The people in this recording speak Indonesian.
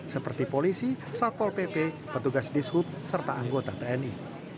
seperti polisi satpol pp petugas dishub serta anggota tni